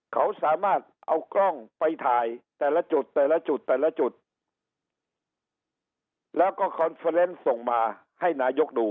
เขาสามารถเอากล้องไปถ่ายแต่ละจุดแต่ละจุดแต่ละจุดแล้วก็คอนเฟอร์เนส์ส่งมาให้นายกดู